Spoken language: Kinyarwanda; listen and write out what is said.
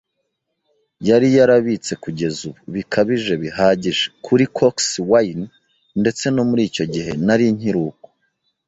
yari yarabitse kugeza ubu, bikabije bihagije, kuri coxswain. Ndetse no muri icyo gihe nari nkiri uko